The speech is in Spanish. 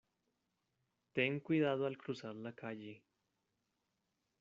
Ten cuidado al cruzar la calle.